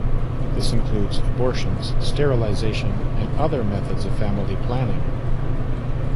This includes abortions, sterilization, and other methods of family planning.